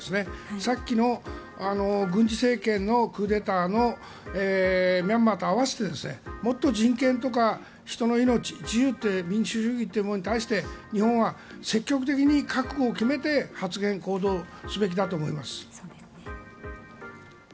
さっきの軍事政権のクーデターのミャンマーと合わせてもっと人権とか人の命民主主義というものに対して日本は積極的に覚悟を決めて発言・行動すべきだと思います。